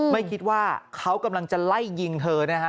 ไม่คิดว่าเขากำลังจะไล่ยิงเธอนะฮะ